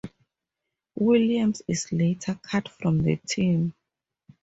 Williams is later cut from the team.